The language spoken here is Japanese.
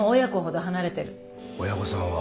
親御さんは？